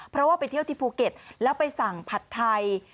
เพราะว่าไปเที่ยวที่ภูเก็ตแล้วไปสั่งผัดไทย